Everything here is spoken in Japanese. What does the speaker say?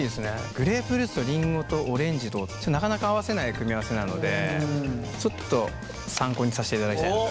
グレープフルーツとリンゴとオレンジとなかなか合わせない組み合わせなのでちょっと参考にさせていただきたいなと。